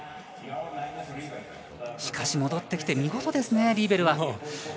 しかし、戻ってきて見事ですねリーベルは。